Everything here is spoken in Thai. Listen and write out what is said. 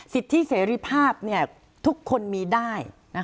สิทธิเสรีภาพทุกคนมีได้